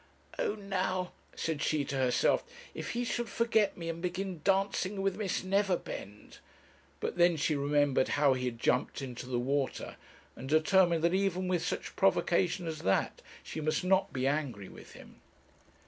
'Oh, now,' said she to herself, 'if he should forget me and begin dancing with Miss Neverbend!' But then she remembered how he had jumped into the water, and determined that, even with such provocation as that, she must not be angry with him.